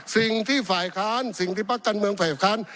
สิ่งที่ฝ่ายค้านสิ่งที่พักการเมืองฝ่ายค้าน